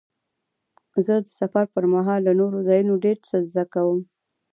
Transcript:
زه د سفر پر مهال له نوو ځایونو ډېر څه زده کوم.